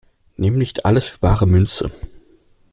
Nimm nicht alles für bare Münze!